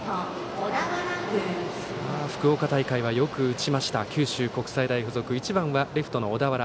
福岡大会はよく打ちました九州国際大付属１番はレフトの小田原。